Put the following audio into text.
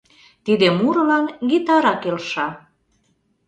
Тиде мурылан гитара келша...